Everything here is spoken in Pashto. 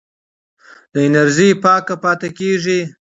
دا انرژي پاکه پاتې کېږي.